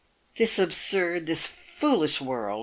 317 "This absurd — this foolish world!"